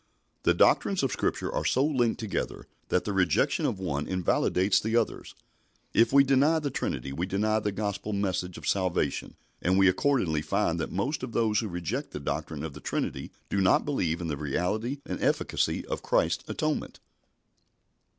The doctrines of Scripture are so linked together that the rejection of one invalidates the others. If we deny the Trinity we deny the Gospel message of salvation, and we accordingly find that most of those who reject the doctrine of the Trinity do not believe in the reality and efficacy of Christ's atonement.